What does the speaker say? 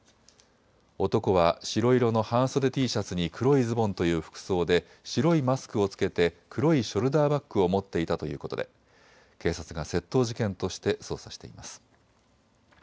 男は白色の半袖Ｔシャツに黒いズボンという服装で白いマスクを着けて黒いショルダーバッグを持っていたということで警察が窃盗事件として捜査しています。